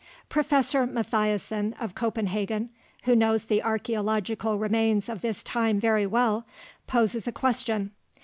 Professor Mathiassen of Copenhagen, who knows the archeological remains of this time very well, poses a question.